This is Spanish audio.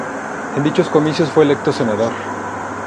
En dichos comicios fue electo senador.